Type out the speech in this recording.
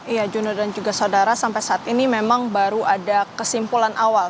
iya junior dan juga saudara sampai saat ini memang baru ada kesimpulan awal